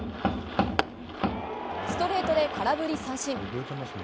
ストレートで空振り三振。